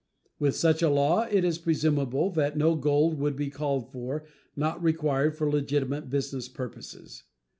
With such a law it is presumable that no gold would be called for not required for legitimate business purposes.